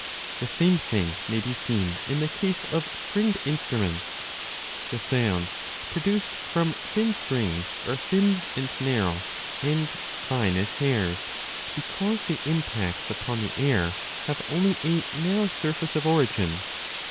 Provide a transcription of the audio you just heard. The same thing may be seen in the case of stringed instruments ; the sounds produced from thin strings are thin and narrow and fine 25 as hairs , because the impacts upon the air have only a narrow surface of origin.